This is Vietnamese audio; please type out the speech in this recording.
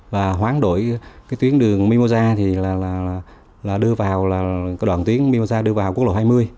và hoán đổi tuyến đường mimosa đưa vào quốc lộ hai mươi